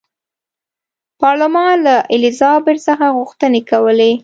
پارلمان له الیزابت څخه غوښتنې کولې.